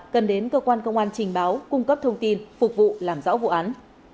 cần đến cơ quan công an trình báo cung cấp thông tin phục vụ làm rõ vụ án